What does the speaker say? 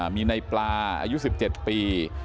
มีในปลาอายุ๑๗ปี